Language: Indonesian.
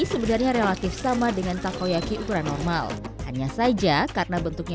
yang lebih sempurna yang relatif sama dengan takoyaki ukuran normal hanya saja karena bentuknya